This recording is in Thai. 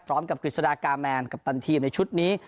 พร้อมกับกฤษฎากาแมนกัปตันทีมในชุดนี้